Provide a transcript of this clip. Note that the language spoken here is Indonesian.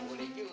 boleh juga nek